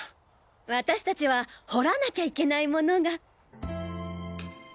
私達は掘らなきゃいけない物が。